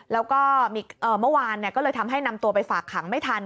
แล้วก็เมื่อวานก็เลยทำให้นำตัวไปฝากขังไม่ทัน